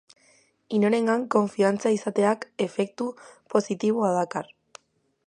Inorengan konfiantza izateak efektu positiboa dakar